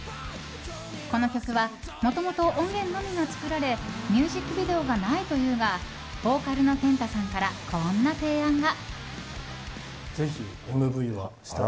この曲は、もともと音源のみが作られミュージックビデオがないというがボーカルのＫＥＮＴＡさんからこんな提案が。